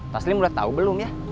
taslim udah tahu belum ya